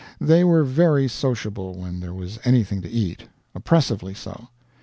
They were very sociable when there was anything to eat oppressively so.